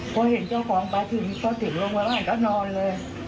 พอเห็นเจ้าของไปถึงเขาถึงโรงพยาบาลก็นอนเลย